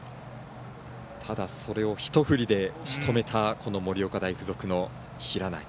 それを１振りでしとめた盛岡大付属の平内。